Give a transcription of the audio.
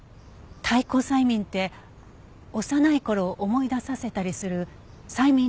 退行催眠って幼い頃を思い出させたりする催眠療法の。